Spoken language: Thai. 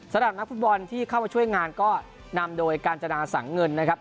สำหรับนักฟุตบอลที่เข้ามาช่วยงานก็นำโดยกาญจนาสังเงินนะครับ